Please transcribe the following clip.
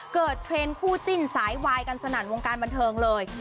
เทรนด์คู่จิ้นสายวายกันสนั่นวงการบันเทิงเลย